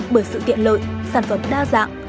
bởi sự tiện lợi sản phẩm đa dạng